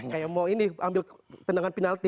kayak mau ini ambil tendangan penalti